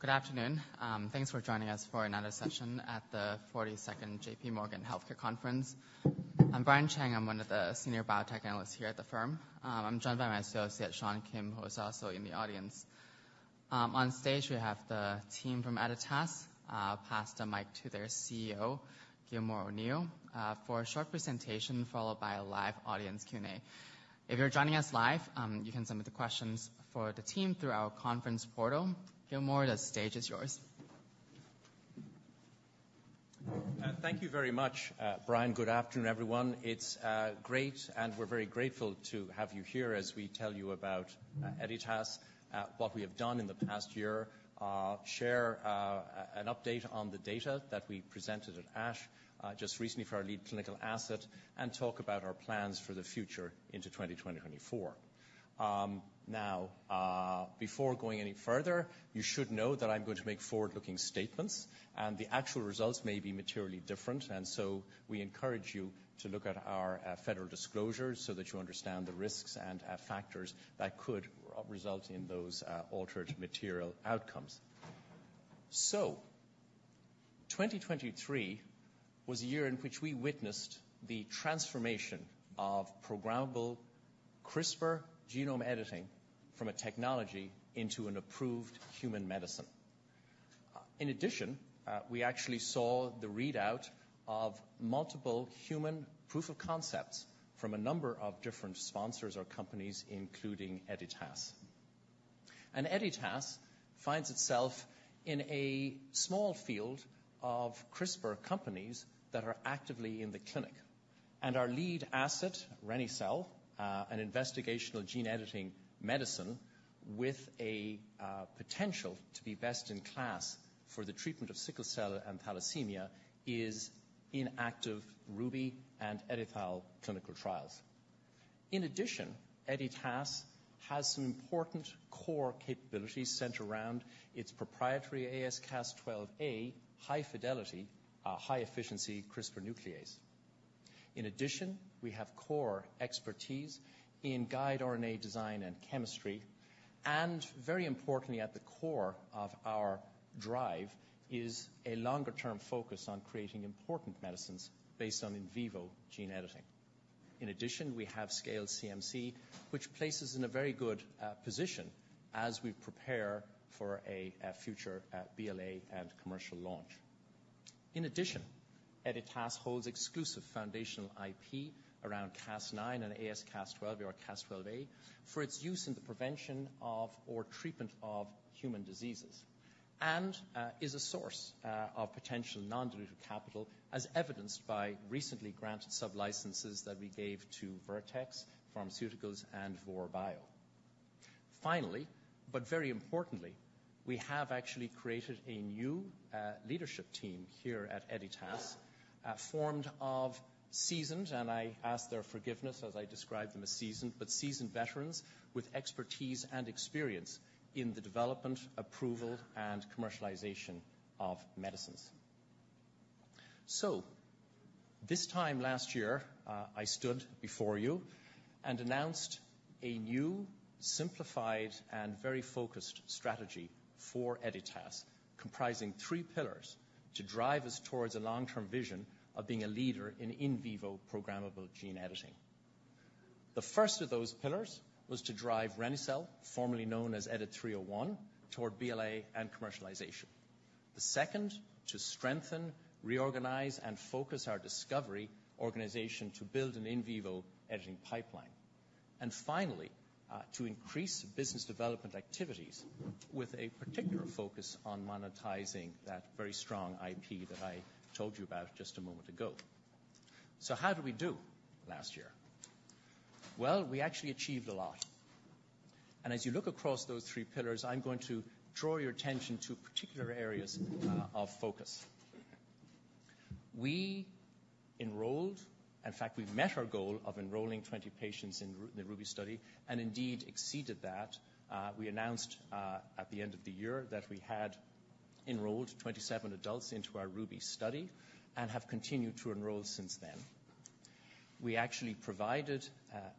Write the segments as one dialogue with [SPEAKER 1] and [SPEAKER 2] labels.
[SPEAKER 1] Good afternoon. Thanks for joining us for another session at the 42nd JPMorgan healthcare conference. I'm Brian Cheng, I'm one of the Senior Biotech Analysts here at the firm. I'm joined by my associate, Sean Kim, who is also in the audience. On stage, we have the team from Editas. I'll pass the mic to their CEO, Gilmore O'Neill, for a short presentation, followed by a live audience Q&A. If you're joining us live, you can submit the questions for the team through our conference portal. Gilmore, the stage is yours.
[SPEAKER 2] Thank you very much, Brian. Good afternoon, everyone. It's great, and we're very grateful to have you here as we tell you about Editas, what we have done in the past year. Share an update on the data that we presented at ASH just recently for our lead clinical asset, and talk about our plans for the future into 2024. Now, before going any further, you should know that I'm going to make forward-looking statements, and the actual results may be materially different, and so we encourage you to look at our federal disclosures so that you understand the risks and factors that could result in those altered material outcomes. So 2023 was a year in which we witnessed the transformation of programmable CRISPR genome editing from a technology into an approved human medicine. In addition, we actually saw the readout of multiple human proof of concepts from a number of different sponsors or companies, including Editas. Editas finds itself in a small field of CRISPR companies that are actively in the clinic, and our lead asset, reni-cel, an investigational gene-editing medicine with a potential to be best in class for the treatment of sickle cell and thalassemia, is in active Ruby and EdiTHAL clinical trials. In addition, Editas has some important core capabilities centered around its proprietary AsCas12a, high fidelity, high efficiency CRISPR nuclease. In addition, we have core expertise in guide RNA design and chemistry, and very importantly, at the core of our drive is a longer-term focus on creating important medicines based on in vivo gene editing. In addition, we have scaled CMC, which places us in a very good position as we prepare for a future BLA and commercial launch. In addition, Editas holds exclusive foundational IP around Cas9 and Cas12a, for its use in the prevention of or treatment of human diseases, and is a source of potential non-dilutive capital, as evidenced by recently granted sublicenses that we gave to Vertex Pharmaceuticals and Vor Bio. Finally, but very importantly, we have actually created a new leadership team here at Editas, formed of seasoned, and I ask their forgiveness as I describe them as seasoned, but seasoned veterans with expertise and experience in the development, approval, and commercialization of medicines. So this time last year, I stood before you and announced a new, simplified, and very focused strategy for Editas, comprising three pillars to drive us towards a long-term vision of being a leader in in vivo programmable gene editing. The first of those pillars was to drive reni-cel, formerly known as EDIT-301, toward BLA and commercialization. The second, to strengthen, reorganize, and focus our discovery organization to build an in vivo editing pipeline. And finally, to increase business development activities with a particular focus on monetizing that very strong IP that I told you about just a moment ago. So how did we do last year? Well, we actually achieved a lot, and as you look across those three pillars, I'm going to draw your attention to particular areas of focus. We enrolled. In fact, we met our goal of enrolling 20 patients in the Ruby study and indeed exceeded that. We announced at the end of the year that we had enrolled 27 adults into our Ruby study and have continued to enroll since then. We actually provided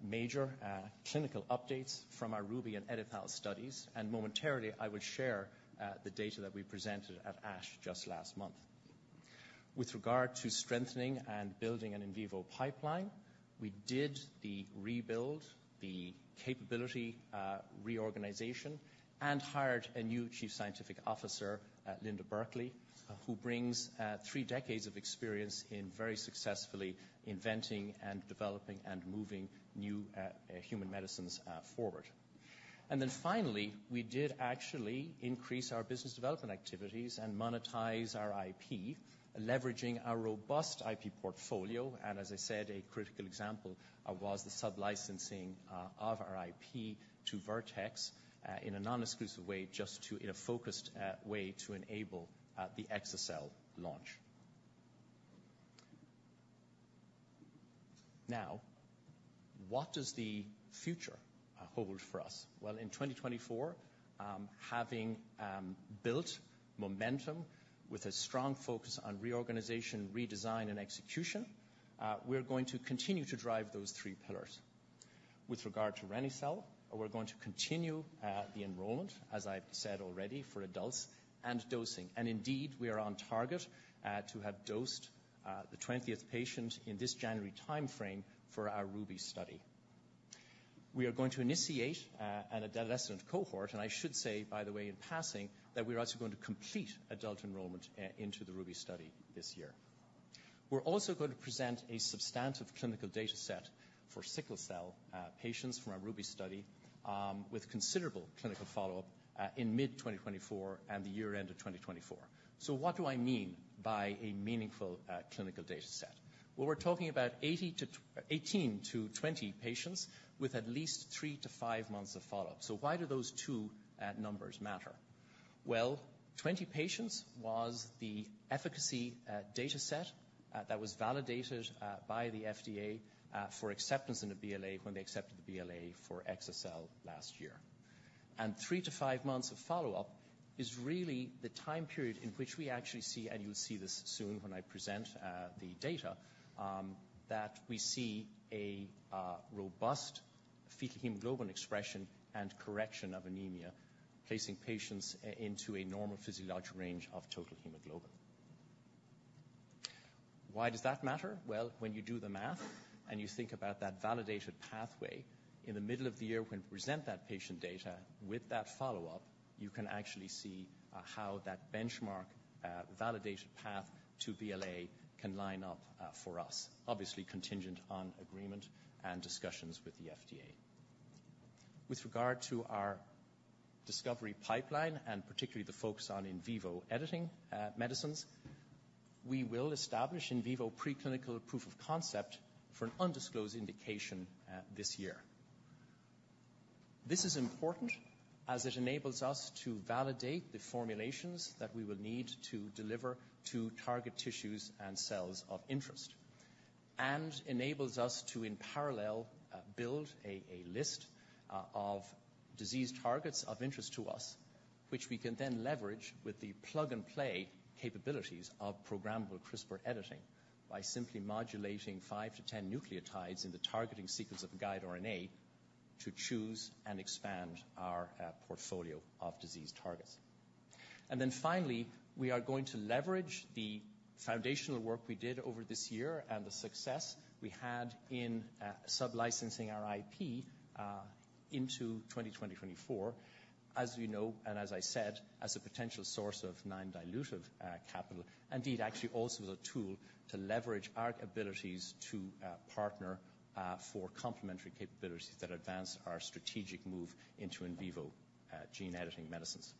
[SPEAKER 2] major clinical updates from our Ruby and EdiTHAL studies, and momentarily, I will share the data that we presented at ASH just last month. With regard to strengthening and building an in vivo pipeline, we did the rebuild, the capability reorganization, and hired a new chief scientific officer, Linda Burkly, who brings three decades of experience in very successfully inventing and developing and moving new human medicines forward. Then finally, we did actually increase our business development activities and monetize our IP, leveraging our robust IP portfolio, and as I said, a critical example was the sublicensing of our IP to Vertex in a non-exclusive way, just to, in a focused way, to enable the exa-cel launch. Now, what does the future hold for us? Well, in 2024, having built momentum with a strong focus on reorganization, redesign, and execution... We're going to continue to drive those three pillars. With regard to reni-cel, we're going to continue the enrollment, as I've said already, for adults and dosing. And indeed, we are on target to have dosed the twentieth patient in this January time frame for our Ruby study. We are going to initiate an adolescent cohort, and I should say, by the way, in passing, that we're also going to complete adult enrollment into the Ruby study this year. We're also going to present a substantive clinical data set for sickle cell patients from our Ruby study with considerable clinical follow-up in mid-2024 and the year-end of 2024. So what do I mean by a meaningful clinical data set? Well, we're talking about 18-20 patients with at least three to five months of follow-up. So why do those two numbers matter? Well, 20 patients was the efficacy data set that was validated by the FDA for acceptance in the BLA when they accepted the BLA for exa-cel last year. Three to five months of follow-up is really the time period in which we actually see, and you'll see this soon when I present, the data, that we see a robust fetal hemoglobin expression and correction of anemia, placing patients into a normal physiologic range of total hemoglobin. Why does that matter? Well, when you do the math and you think about that validated pathway, in the middle of the year, we can present that patient data with that follow-up, you can actually see, how that benchmark, validation path to BLA can line up, for us. Obviously, contingent on agreement and discussions with the FDA. With regard to our discovery pipeline, and particularly the focus on in vivo editing medicines, we will establish in vivo preclinical proof of concept for an undisclosed indication, this year. This is important as it enables us to validate the formulations that we will need to deliver to target tissues and cells of interest, and enables us to, in parallel, build a, a list, of disease targets of interest to us, which we can then leverage with the plug-and-play capabilities of programmable CRISPR editing by simply modulating five to 10 nucleotides in the targeting sequence of the guide RNA to choose and expand our, portfolio of disease targets. And then finally, we are going to leverage the foundational work we did over this year and the success we had in, sub-licensing our IP, into 2024. As you know, and as I said, as a potential source of non-dilutive, capital, indeed, actually also the tool to leverage our abilities to, partner, for complementary capabilities that advance our strategic move into in vivo, gene editing medicines.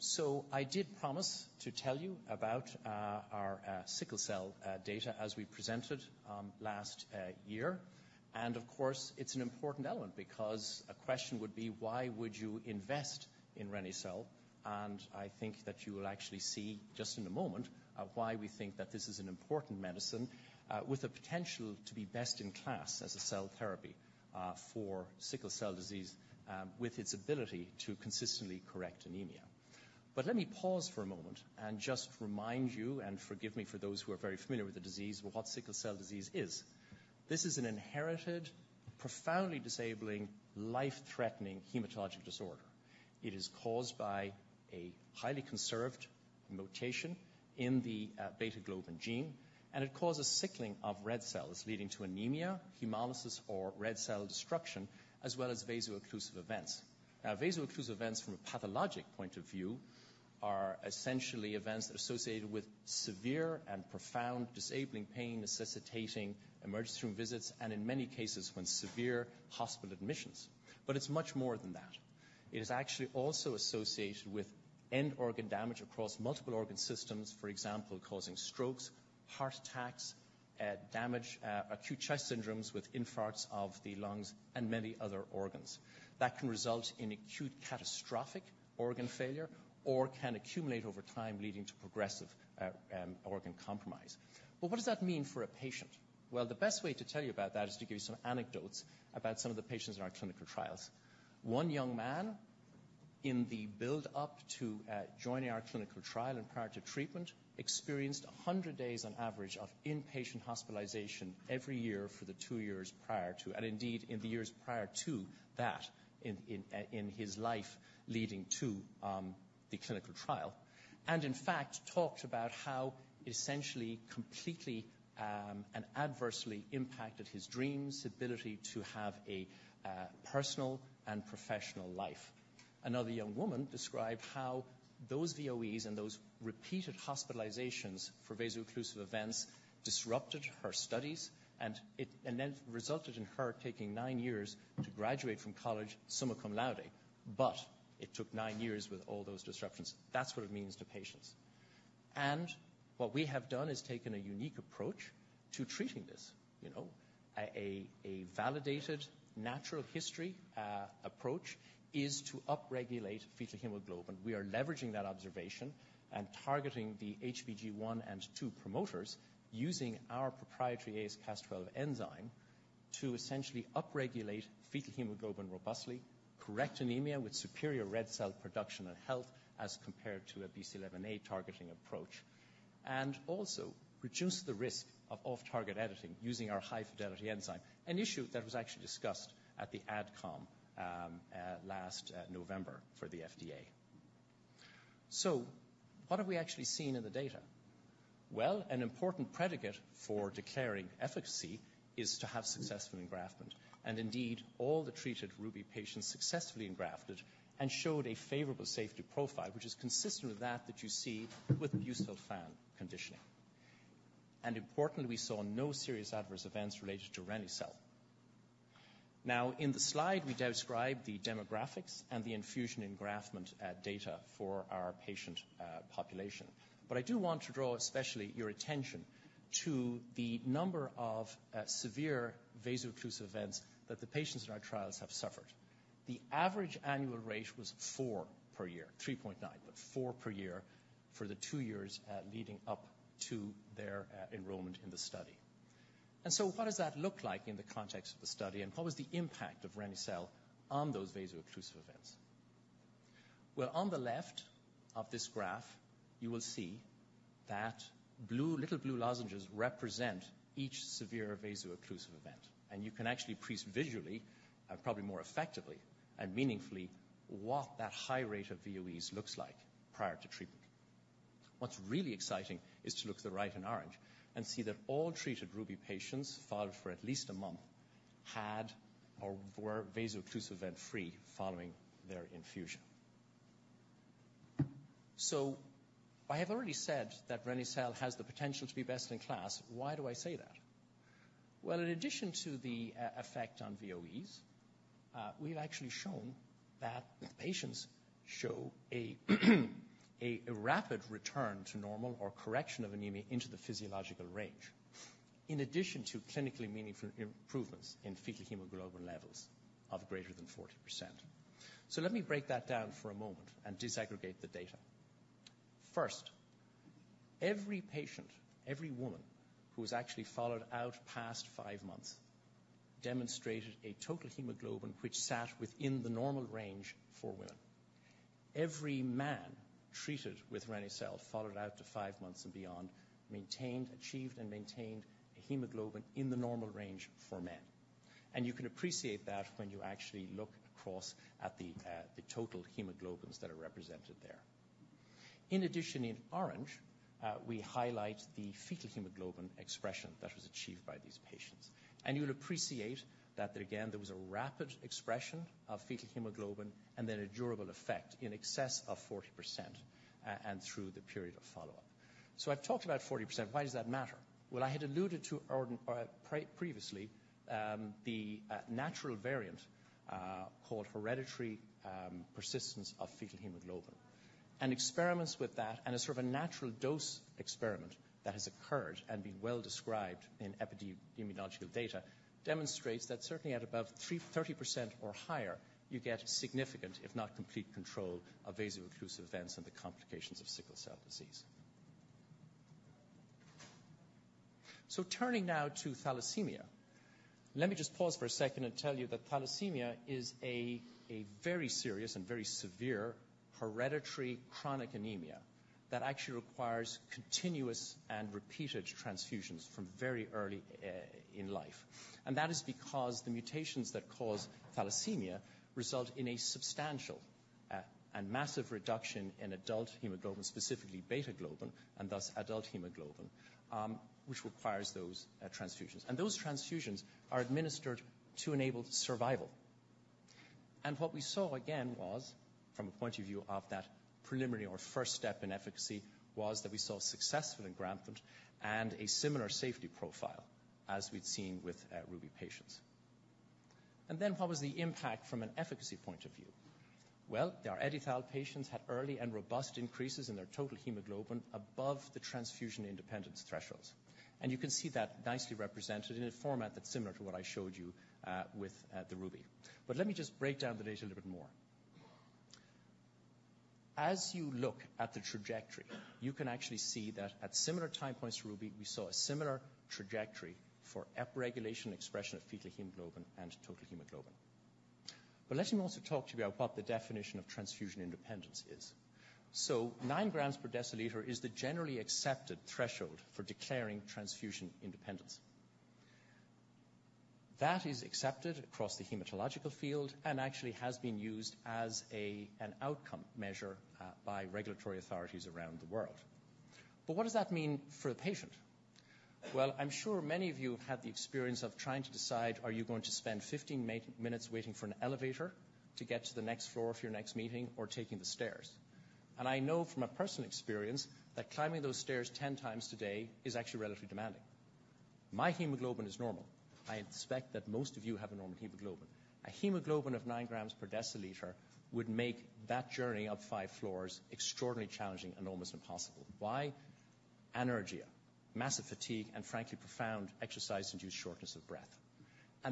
[SPEAKER 2] So I did promise to tell you about, our, sickle cell, data as we presented, last, year. And of course, it's an important element because a question would be, why would you invest in reni-cel? And I think that you will actually see just in a moment, why we think that this is an important medicine, with the potential to be best in class as a cell therapy, for sickle cell disease, with its ability to consistently correct anemia. But let me pause for a moment and just remind you, and forgive me for those who are very familiar with the disease, what sickle cell disease is. This is an inherited, profoundly disabling, life-threatening hematologic disorder. It is caused by a highly conserved mutation in the beta globin gene, and it causes sickling of red cells, leading to anemia, hemolysis, or red cell destruction, as well as vaso-occlusive events. Now, vaso-occlusive events, from a pathologic point of view, are essentially events that are associated with severe and profound disabling pain, necessitating emergency room visits and in many cases, when severe, hospital admissions. But it's much more than that. It is actually also associated with end organ damage across multiple organ systems, for example, causing strokes, heart attacks, damage, acute chest syndromes with infarcts of the lungs and many other organs. That can result in acute catastrophic organ failure or can accumulate over time, leading to progressive, organ compromise. But what does that mean for a patient? Well, the best way to tell you about that is to give you some anecdotes about some of the patients in our clinical trials. One young man, in the build-up to, joining our clinical trial and prior to treatment, experienced 100 days on average of inpatient hospitalization every year for the two years prior to, and indeed in the years prior to that, in his life, leading to, the clinical trial. And in fact, talked about how essentially, completely, and adversely impacted his dreams, ability to have a, personal and professional life. Another young woman described how those VOEs and those repeated hospitalizations for vaso-occlusive events disrupted her studies. And then resulted in her taking nine years to graduate from college summa cum laude, but it took nine years with all those disruptions. That's what it means to patients. What we have done is taken a unique approach to treating this, you know? A validated natural history approach is to upregulate fetal hemoglobin. We are leveraging that observation and targeting the HBG1 and HBG2 promoters using our proprietary AsCas12a enzyme to essentially upregulate fetal hemoglobin robustly, correct anemia with superior red cell production and health as compared to a BCL11A targeting approach, and also reduce the risk of off-target editing using our high-fidelity enzyme, an issue that was actually discussed at the AdCom last November for the FDA. So what have we actually seen in the data? Well, an important predicate for declaring efficacy is to have successful engraftment. And indeed, all the treated Ruby patients successfully engrafted and showed a favorable safety profile, which is consistent with that that you see with busulfan conditioning. And importantly, we saw no serious adverse events related to reni-cel. Now, in the slide, we described the demographics and the infusion engraftment data for our patient population. But I do want to draw especially your attention to the number of severe vaso-occlusive events that the patients in our trials have suffered. The average annual rate was four per year, 3.9, but four per year for the two years leading up to their enrollment in the study. And so what does that look like in the context of the study, and what was the impact of reni-cel on those vaso-occlusive events? Well, on the left of this graph, you will see that blue, little blue lozenges represent each severe vaso-occlusive event, and you can actually appreciate visually, probably more effectively and meaningfully, what that high rate of VOEs looks like prior to treatment. What's really exciting is to look to the right in orange and see that all treated Ruby patients, followed for at least a month, had or were vaso-occlusive event-free following their infusion. So I have already said that reni-cel has the potential to be best in class. Why do I say that? Well, in addition to the effect on VOEs, we've actually shown that patients show a rapid return to normal or correction of anemia into the physiological range, in addition to clinically meaningful improvements in fetal hemoglobin levels of greater than 40%. So let me break that down for a moment and disaggregate the data. First, every patient, every woman who was actually followed out past five months, demonstrated a total hemoglobin, which sat within the normal range for women. Every man treated with reni-cel, followed out to 5 months and beyond, maintained, achieved and maintained a hemoglobin in the normal range for men. And you can appreciate that when you actually look across at the total hemoglobins that are represented there. In addition, in orange, we highlight the fetal hemoglobin expression that was achieved by these patients. And you'll appreciate that, again, there was a rapid expression of fetal hemoglobin and then a durable effect in excess of 40%, and through the period of follow-up. So I've talked about 40%. Why does that matter? Well, I had alluded to or previously the natural variant called hereditary persistence of fetal hemoglobin. And experiments with that, and a sort of a natural dose experiment that has occurred and been well described in epidemiological data, demonstrates that certainly at above 30% or higher, you get significant, if not complete, control of vaso-occlusive events and the complications of sickle cell disease. So turning now to thalassemia. Let me just pause for a second and tell you that thalassemia is a very serious and very severe hereditary chronic anemia that actually requires continuous and repeated transfusions from very early in life. And that is because the mutations that cause thalassemia result in a substantial and massive reduction in adult hemoglobin, specifically beta globin, and thus adult hemoglobin, which requires those transfusions. Those transfusions are administered to enable survival. And what we saw again, was from a point of view of that preliminary or first step in efficacy, was that we saw successful engraftment and a similar safety profile as we'd seen with Ruby patients. And then what was the impact from an efficacy point of view? Well, the EdiTHAL patients had early and robust increases in their total hemoglobin above the transfusion independence thresholds. And you can see that nicely represented in a format that's similar to what I showed you with the Ruby. But let me just break down the data a little bit more. As you look at the trajectory, you can actually see that at similar time points to Ruby, we saw a similar trajectory for upregulation expression of fetal hemoglobin and total hemoglobin. But let me also talk to you about what the definition of transfusion independence is. So nine grams per deciliter is the generally accepted threshold for declaring transfusion independence. That is accepted across the hematological field and actually has been used as an outcome measure by regulatory authorities around the world. But what does that mean for the patient? Well, I'm sure many of you have had the experience of trying to decide, are you going to spend 15 minutes waiting for an elevator to get to the next floor for your next meeting or taking the stairs? And I know from a personal experience that climbing those stairs 10 times today is actually relatively demanding. My hemoglobin is normal. I expect that most of you have a normal hemoglobin. A hemoglobin of nine grams per deciliter would make that journey up five floors extraordinarily challenging and almost impossible. Why? Anergia, massive fatigue, and frankly, profound exercise-induced shortness of breath.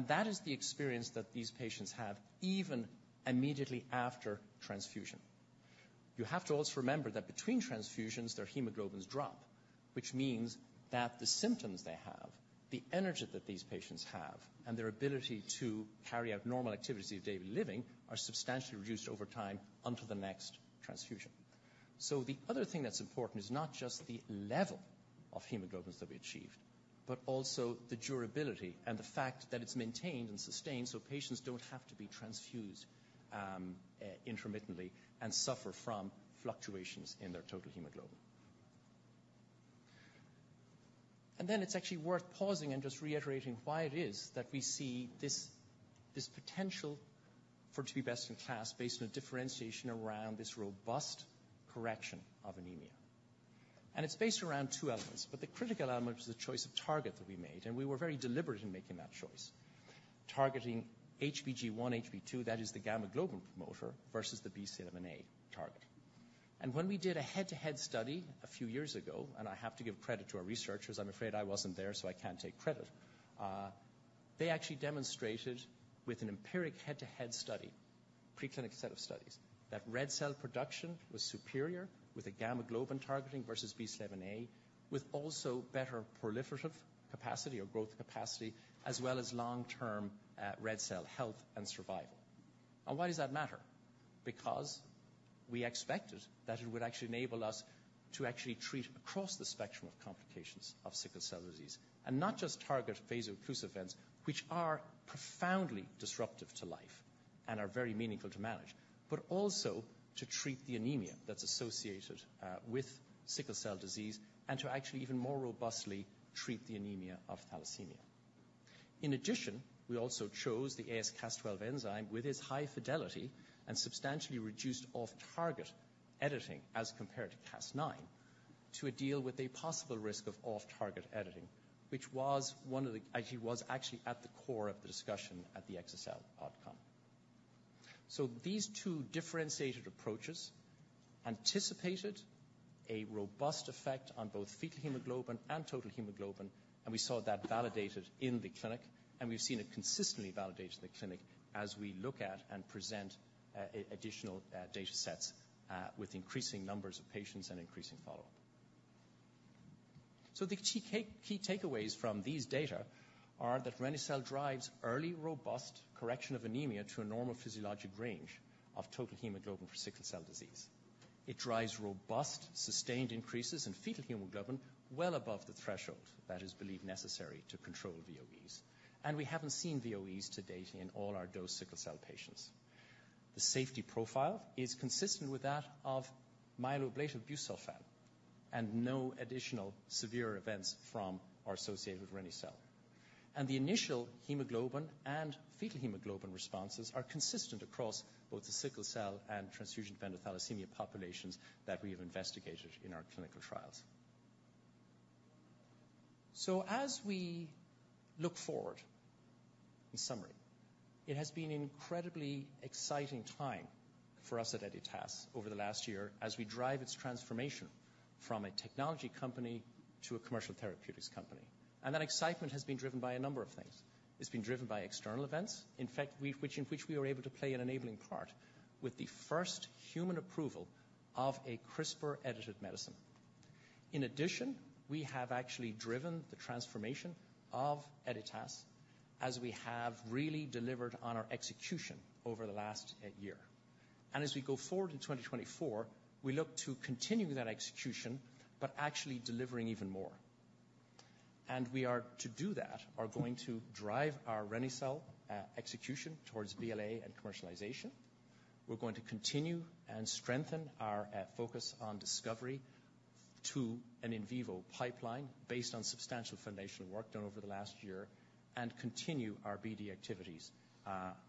[SPEAKER 2] That is the experience that these patients have even immediately after transfusion. You have to also remember that between transfusions, their hemoglobins drop, which means that the symptoms they have, the energy that these patients have, and their ability to carry out normal activities of daily living, are substantially reduced over time until the next transfusion. The other thing that's important is not just the level of hemoglobins that we achieved, but also the durability and the fact that it's maintained and sustained, so patients don't have to be transfused intermittently and suffer from fluctuations in their total hemoglobin. Then it's actually worth pausing and just reiterating why it is that we see this, this potential for it to be best in class based on a differentiation around this robust correction of anemia. And it's based around two elements, but the critical element is the choice of target that we made, and we were very deliberate in making that choice. Targeting HBG1, HBG2, that is the gamma-globin promoter, versus the BCL11A target. And when we did a head-to-head study a few years ago, and I have to give credit to our researchers, I'm afraid I wasn't there, so I can't take credit. They actually demonstrated with an empirical head-to-head study, preclinical set of studies, that red cell production was superior with the gamma-globin targeting versus BCL11A, with also better proliferative capacity or growth capacity, as well as long-term, red cell health and survival. Why does that matter? Because we expected that it would actually enable us to actually treat across the spectrum of complications of sickle cell disease, and not just target vaso-occlusive events, which are profoundly disruptive to life and are very meaningful to manage. But also to treat the anemia that's associated with sickle cell disease, and to actually even more robustly treat the anemia of thalassemia. In addition, we also chose the AsCas12a enzyme with its high fidelity and substantially reduced off-target editing as compared to Cas9, to deal with a possible risk of off-target editing, which was one of the actually was actually at the core of the discussion at the exa-cel outcome. So these two differentiated approaches anticipated a robust effect on both fetal hemoglobin and total hemoglobin, and we saw that validated in the clinic, and we've seen it consistently validated in the clinic as we look at and present additional data sets with increasing numbers of patients and increasing follow-up. So the key takeaways from these data are that reni-cel drives early, robust correction of anemia to a normal physiologic range of total hemoglobin for sickle cell disease. It drives robust, sustained increases in fetal hemoglobin well above the threshold that is believed necessary to control VOEs. And we haven't seen VOEs to date in all our dosed sickle cell patients. The safety profile is consistent with that of myeloablative busulfan, and no additional severe events are associated with reni-cel. And the initial hemoglobin and fetal hemoglobin responses are consistent across both the sickle cell and transfusion-dependent thalassemia populations that we have investigated in our clinical trials. So as we look forward, in summary, it has been an incredibly exciting time for us at Editas over the last year as we drive its transformation from a technology company to a commercial therapeutics company. And that excitement has been driven by a number of things. It's been driven by external events, in fact, in which we were able to play an enabling part with the first human approval of a CRISPR-edited medicine. In addition, we have actually driven the transformation of Editas as we have really delivered on our execution over the last year. And as we go forward in 2024, we look to continue that execution, but actually delivering even more. And we are, to do that, are going to drive our reni-cel execution towards BLA and commercialization. We're going to continue and strengthen our focus on discovery to an in vivo pipeline based on substantial foundational work done over the last year, and continue our BD activities,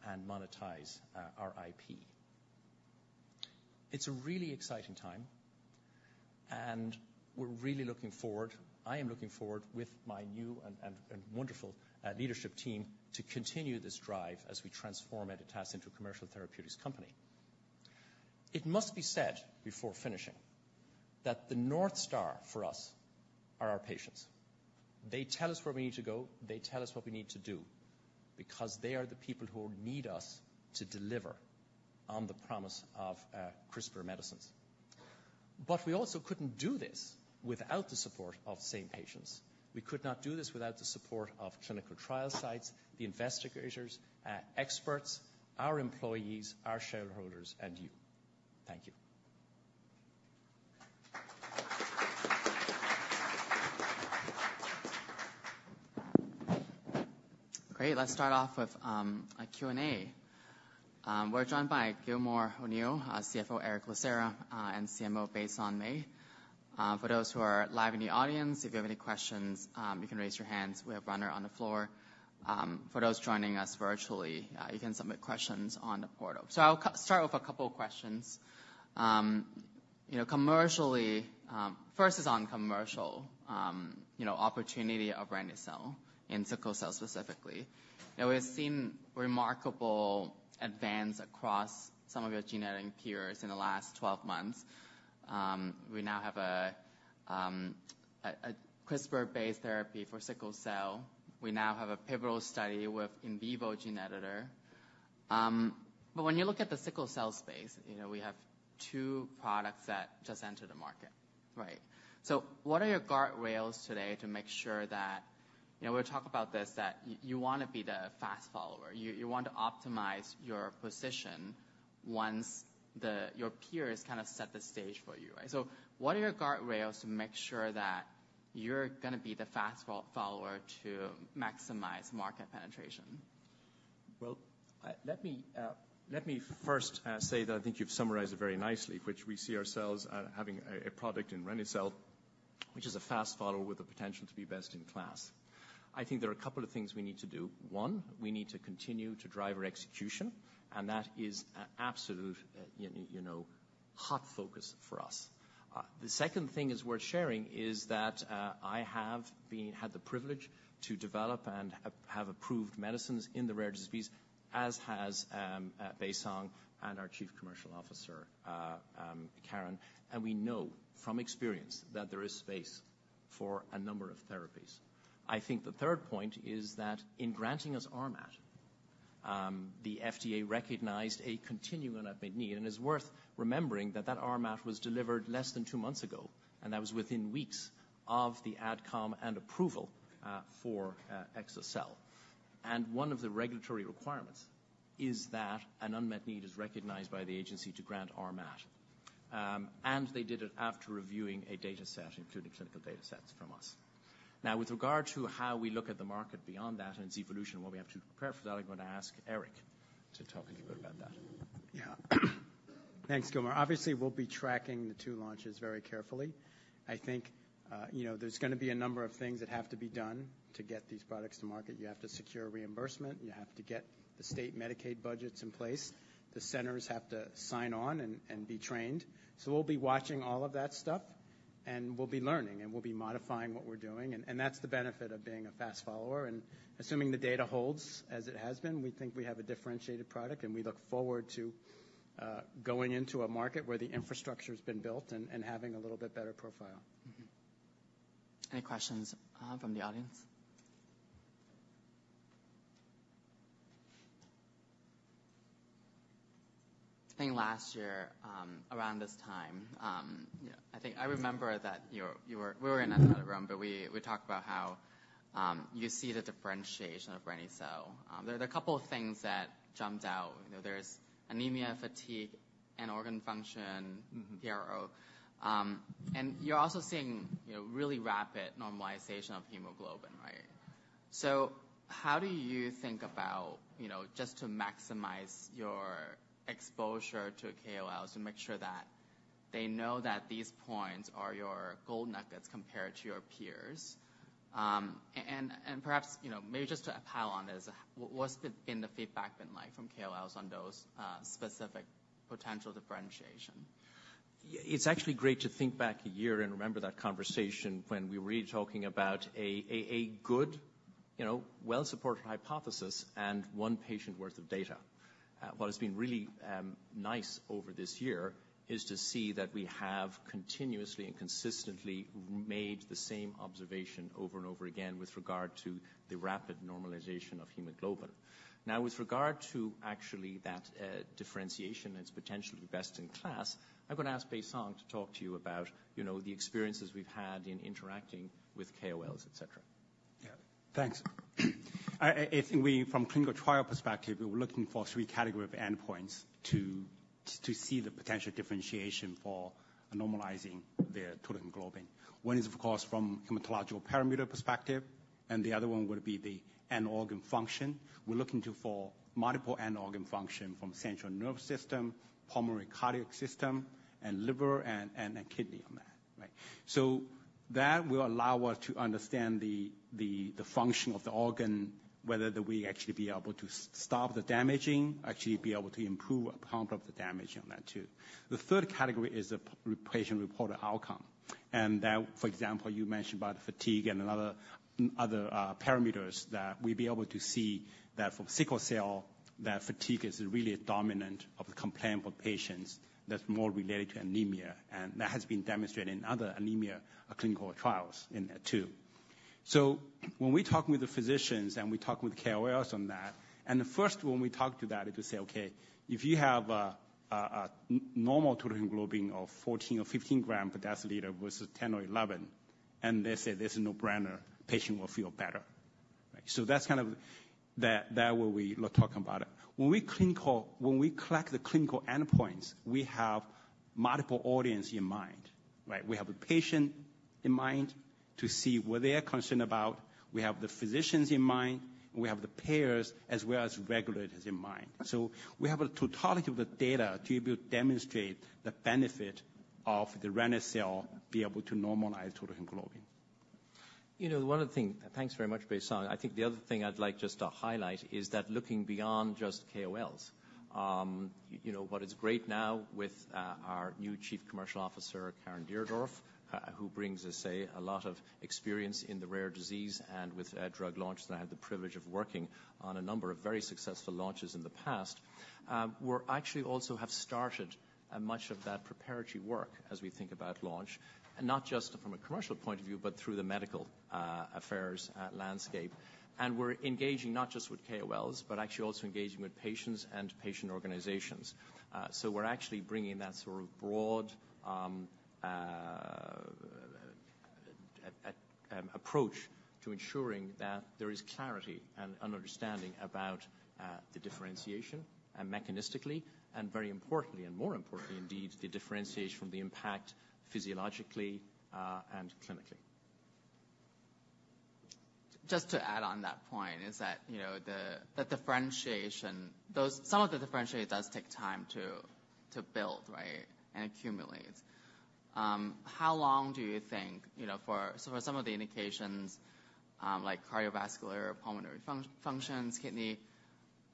[SPEAKER 2] and monetize our IP. It's a really exciting time, and we're really looking forward - I am looking forward with my new and wonderful leadership team to continue this drive as we transform Editas into a commercial therapeutics company. It must be said, before finishing, that the north star for us are our patients. They tell us where we need to go. They tell us what we need to do because they are the people who need us to deliver on the promise of CRISPR medicines. We also couldn't do this without the support of the same patients. We could not do this without the support of clinical trial sites, the investigators, experts, our employees, our shareholders, and you. Thank you.
[SPEAKER 1] Great. Let's start off with a Q&A. We're joined by Gilmore O'Neill, CFO Erick Lucera, and CMO Baisong Mei. For those who are live in the audience, if you have any questions, you can raise your hands. We have a runner on the floor. For those joining us virtually, you can submit questions on the portal. So I'll start with a couple of questions. You know, commercially, first is on commercial, you know, opportunity of reni-cel in sickle cell specifically. Now, we've seen remarkable advance across some of your genetic peers in the last 12 months. We now have a CRISPR-based therapy for sickle cell. We now have a pivotal study with in vivo gene editing. But when you look at the sickle cell space, you know, we have two products that just entered the market, right? So what are your guardrails today to make sure that, you know, we'll talk about this, that you wanna be the fast follower. You want to optimize your position once your peers kind of set the stage for you, right? So what are your guardrails to make sure that you're gonna be the fast follower to maximize market penetration?
[SPEAKER 2] Well, let me first say that I think you've summarized it very nicely, which we see ourselves having a product in reni-cel, which is a fast follower with the potential to be best-in-class. I think there are a couple of things we need to do. One, we need to continue to drive our execution, and that is an absolute, you know, hot focus for us. The second thing worth sharing is that I have had the privilege to develop and have approved medicines in the rare disease, as has Baisong Mei and our Chief Commercial Officer, Caren. We know from experience that there is space for a number of therapies. I think the third point is that in granting us RMAT, the FDA recognized a continuum unmet need, and it's worth remembering that that RMAT was delivered less than two months ago, and that was within weeks of the AdCom and approval for exa-cel. One of the regulatory requirements is that an unmet need is recognized by the agency to grant RMAT. They did it after reviewing a dataset, including clinical datasets from us. Now, with regard to how we look at the market beyond that and its evolution, what we have to prepare for that, I'm going to ask Eric to talk a little bit about that.
[SPEAKER 3] Yeah. Thanks, Gilmore. Obviously, we'll be tracking the two launches very carefully. I think, you know, there's gonna be a number of things that have to be done to get these products to market. You have to secure reimbursement. You have to get the state Medicaid budgets in place. The centers have to sign on and be trained. So we'll be watching all of that stuff, and we'll be learning, and we'll be modifying what we're doing. And that's the benefit of being a fast follower. And assuming the data holds as it has been, we think we have a differentiated product, and we look forward to going into a market where the infrastructure's been built and having a little bit better profile.
[SPEAKER 2] Mm-hmm.
[SPEAKER 1] Any questions from the audience? I think last year, around this time, you know, I think I remember that we were in another room, but we talked about how you see the differentiation of reni-cel. There are a couple of things that jumped out. You know, there's anemia, fatigue, and organ function.
[SPEAKER 3] Mm-hmm.
[SPEAKER 1] PRO. And you're also seeing, you know, really rapid normalization of hemoglobin, right? So how do you think about, you know, just to maximize your exposure to KOLs and make sure that they know that these points are your gold nuggets compared to your peers? And perhaps, you know, maybe just to pile on this, what's been the feedback like from KOLs on those specific potential differentiation?
[SPEAKER 2] It's actually great to think back a year and remember that conversation when we were really talking about a good, you know, well-supported hypothesis and one patient worth of data. What has been really nice over this year is to see that we have continuously and consistently made the same observation over and over again with regard to the rapid normalization of hemoglobin. Now, with regard to actually that differentiation and its potentially best-in-class, I'm gonna ask Baisong Mei to talk to you about, you know, the experiences we've had in interacting with KOLs, et cetera.
[SPEAKER 4] Yeah. Thanks. I think we from clinical trial perspective, we're looking for three category of endpoints to see the potential differentiation for normalizing the total hemoglobin. One is, of course, from hematological parameter perspective, and the other one would be the end organ function. We're looking to for multiple end organ function from central nervous system, pulmonary cardiac system, and liver and kidney on that, right? So that will allow us to understand the function of the organ, whether that we actually be able to stop the damaging, actually be able to improve upon the damage on that, too. The third category is the patient-reported outcome, and that, for example, you mentioned about the fatigue and other parameters that we'd be able to see that from sickle cell, that fatigue is really a dominant of the complaint for patients that's more related to anemia, and that has been demonstrated in other anemia clinical trials in that, too. So when we talk with the physicians, and we talk with KOLs on that, and the first one we talk to that is to say, "Okay, if you have a normal total hemoglobin of 14 grams or 15 grams per deciliter versus 10 grams or 11 grams," and they say it's a no-brainer, patient will feel better, right? So that's kind of the, that what we were talking about. When we collect the clinical endpoints, we have multiple audience in mind, right? We have a patient in mind to see what they are concerned about. We have the physicians in mind, and we have the payers as well as regulators in mind. So we have a totality of the data to be able to demonstrate the benefit of the reni-cel, be able to normalize total hemoglobin.
[SPEAKER 2] You know, one of the thing... Thanks very much, Baisong Mei. I think the other thing I'd like just to highlight is that looking beyond just KOLs, you know, what is great now with our new Chief Commercial Officer, Caren Deardorf, who brings us, say, a lot of experience in the rare disease and with drug launches, and I had the privilege of working on a number of very successful launches in the past.... We're actually also have started much of that preparatory work as we think about launch, and not just from a commercial point of view, but through the medical affairs landscape. And we're engaging not just with KOLs, but actually also engaging with patients and patient organizations. So we're actually bringing that sort of broad approach to ensuring that there is clarity and an understanding about the differentiation and mechanistically, and very importantly, and more importantly, indeed, the differentiation from the impact physiologically, and clinically.
[SPEAKER 1] Just to add on that point is that, you know, the differentiation, those, some of the differentiation does take time to build, right? And accumulate. How long do you think, you know, for, so for some of the indications, like cardiovascular or pulmonary functions, kidney,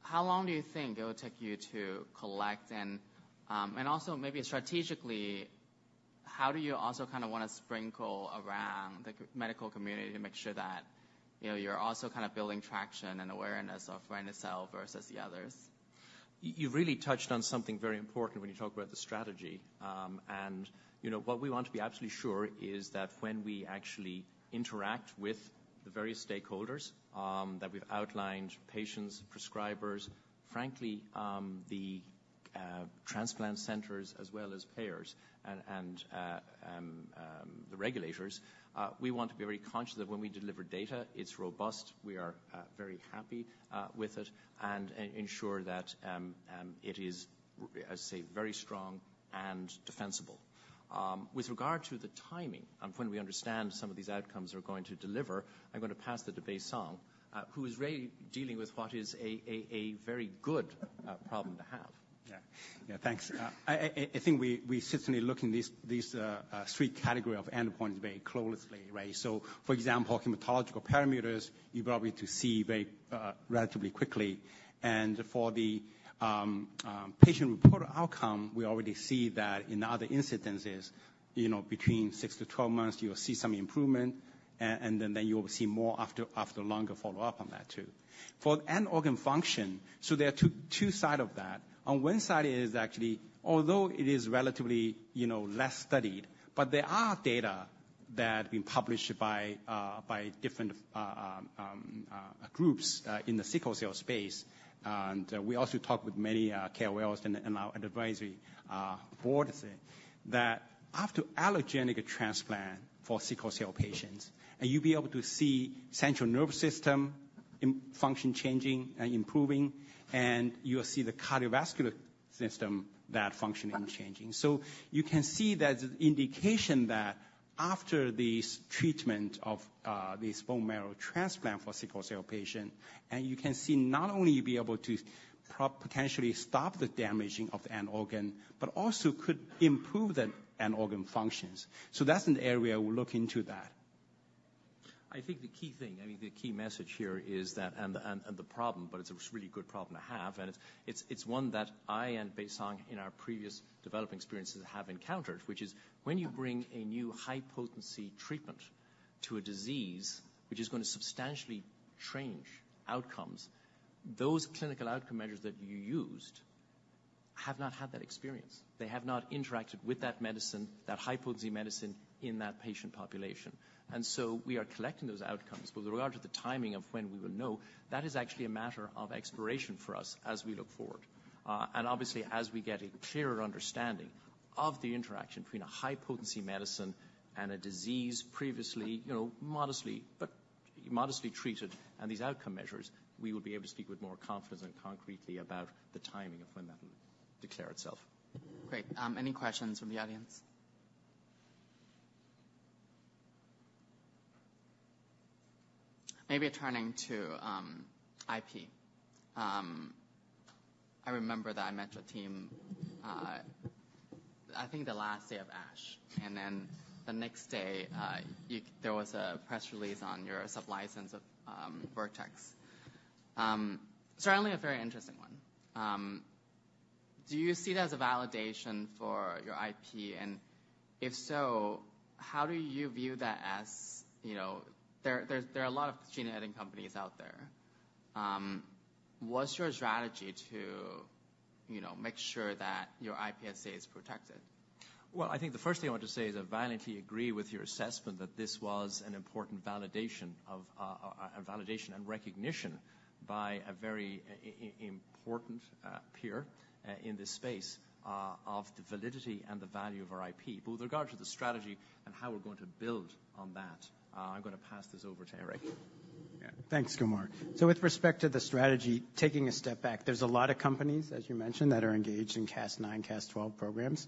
[SPEAKER 1] how long do you think it will take you to collect? And, and also maybe strategically, how do you also kinda wanna sprinkle around the medical community to make sure that, you know, you're also kind of building traction and awareness of reni-cel versus the others?
[SPEAKER 2] You really touched on something very important when you talk about the strategy. And, you know, what we want to be absolutely sure is that when we actually interact with the various stakeholders, that we've outlined, patients, prescribers, frankly, the, transplant centers as well as payers and, and, the regulators, we want to be very conscious that when we deliver data, it's robust, we are, very happy, with it, and, ensure that, it is, as I say, very strong and defensible. With regard to the timing and when we understand some of these outcomes are going to deliver, I'm gonna pass the to Baisong, who is really dealing with what is a very good, problem to have.
[SPEAKER 4] Yeah, thanks. I think we certainly look in these three category of endpoints very closely, right? So, for example, hematological parameters, you're probably to see very relatively quickly. And for the patient-reported outcome, we already see that in other incidences, you know, between six-12 months, you will see some improvement, and then you will see more after longer follow-up on that too. For end organ function, so there are two side of that. On one side is actually, although it is relatively, you know, less studied, but there are data that have been published by different groups in the sickle cell space. We also talk with many KOLs and our advisory board that after allogeneic transplant for sickle cell patients, you'll be able to see central nervous system in function changing and improving, and you'll see the cardiovascular system, that function changing. So you can see there's an indication that after this treatment of this bone marrow transplant for sickle cell patient, and you can see not only you'll be able to potentially stop the damaging of the end organ, but also could improve the end organ functions. So that's an area we'll look into that.
[SPEAKER 2] I think the key thing, I think the key message here is that the problem, but it's a really good problem to have, and it's one that I and Baisong, in our previous development experiences, have encountered, which is when you bring a new high-potency treatment to a disease, which is gonna substantially change outcomes, those clinical outcome measures that you used have not had that experience. They have not interacted with that medicine, that high-potency medicine, in that patient population. And so we are collecting those outcomes, but with regard to the timing of when we will know, that is actually a matter of exploration for us as we look forward. And obviously, as we get a clearer understanding of the interaction between a high-potency medicine and a disease previously, you know, modestly, but modestly treated and these outcome measures, we will be able to speak with more confidence and concretely about the timing of when that will declare itself.
[SPEAKER 1] Great. Any questions from the audience? Maybe turning to IP. I remember that I met your team, I think the last day of ASH, and then the next day, there was a press release on your sublicense of Vertex. Certainly a very interesting one. Do you see it as a validation for your IP? And if so, how do you view that as... You know, there are a lot of gene-editing companies out there. What's your strategy to, you know, make sure that your IP estate is protected?
[SPEAKER 2] Well, I think the first thing I want to say is I violently agree with your assessment that this was an important validation and recognition by a very important peer in this space of the validity and the value of our IP. But with regard to the strategy and how we're going to build on that, I'm gonna pass this over to Erick.
[SPEAKER 3] Yeah. Thanks, Gilmore. So with respect to the strategy, taking a step back, there's a lot of companies, as you mentioned, that are engaged in Cas9, Cas12 programs,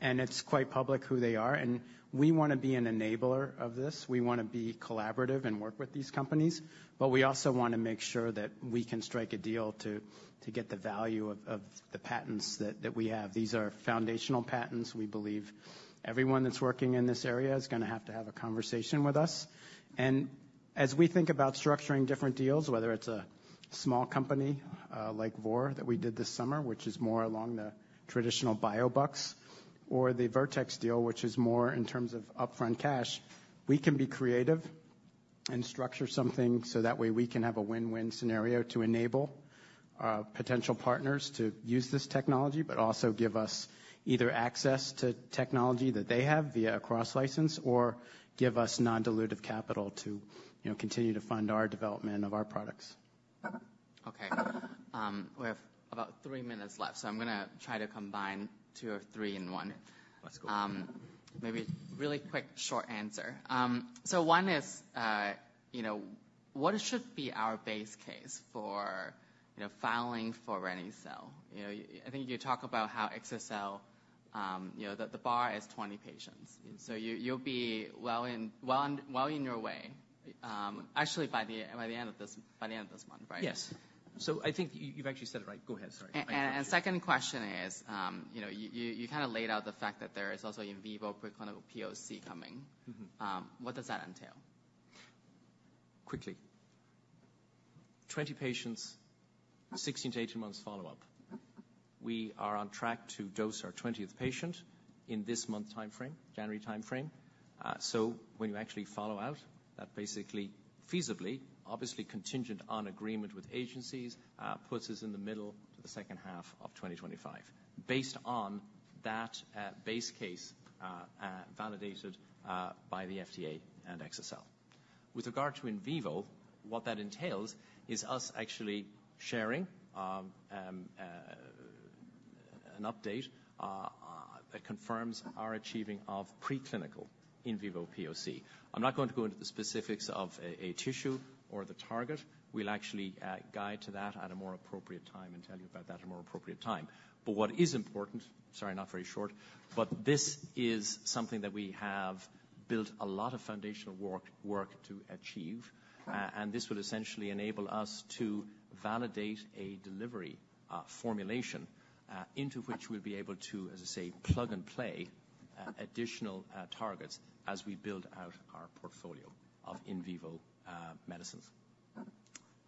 [SPEAKER 3] and it's quite public who they are, and we wanna be an enabler of this. We wanna be collaborative and work with these companies, but we also want to make sure that we can strike a deal to get the value of the patents that we have. These are foundational patents. We believe everyone that's working in this area is gonna have to have a conversation with us. And as we think about structuring different deals, whether it's a small company, like Vor that we did this summer, which is more along the traditional biobucks, or the Vertex deal, which is more in terms of upfront cash, we can be creative. And structure something so that way we can have a win-win scenario to enable potential partners to use this technology, but also give us either access to technology that they have via a cross-license or give us non-dilutive capital to, you know, continue to fund our development of our products.
[SPEAKER 1] Okay. We have about three minutes left, so I'm gonna try to combine two or three in one.
[SPEAKER 2] That's cool.
[SPEAKER 1] Maybe really quick, short answer. So one is, you know, what should be our base case for, you know, filing for reni-cel? You know, I think you talk about how we'll, you know, that the bar is 20 patients, and so you'll be well on your way, actually, by the end of this month, right?
[SPEAKER 2] Yes. So I think you've actually said it right. Go ahead, sorry.
[SPEAKER 1] Second question is, you know, you kind of laid out the fact that there is also in vivo pre-clinical POC coming.
[SPEAKER 2] Mm-hmm.
[SPEAKER 1] What does that entail?
[SPEAKER 2] Quickly. 20 patients, 16-18 months follow-up. We are on track to dose our 20th patient in this month timeframe, January timeframe. So when you actually follow out, that basically, feasibly, obviously contingent on agreement with agencies, puts us in the middle to the second half of 2025, based on that base case validated by the FDA and EMA. With regard to in vivo, what that entails is us actually sharing an update that confirms our achieving of preclinical in vivo POC. I'm not going to go into the specifics of a tissue or the target. We'll actually guide to that at a more appropriate time and tell you about that at a more appropriate time. But what is important. Sorry, not very short, but this is something that we have built a lot of foundational work to achieve, and this will essentially enable us to validate a delivery formulation into which we'll be able to, as I say, plug and play additional targets as we build out our portfolio of in vivo medicines.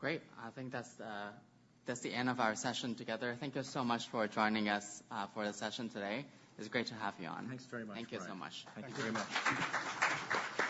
[SPEAKER 1] Great. I think that's the end of our session together. Thank you so much for joining us for the session today. It's great to have you on.
[SPEAKER 2] Thanks very much.
[SPEAKER 1] Thank you so much.
[SPEAKER 2] Thank you very much.